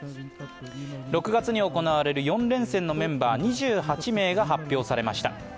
６月に行われる４連戦のメンバー２８名が発表されました。